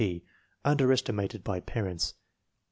P. Underestimated by parents.